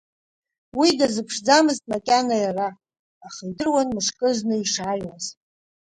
Уи дазыԥшӡамызт макьана иара, аха идыруан мышкызны ишааиуаз…